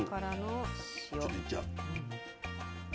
ちょっといっちゃう。